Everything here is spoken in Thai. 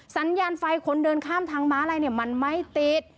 สัญญาณไฟคนเดินข้ามทางม้าอะไรเนี่ยมันไม่ติด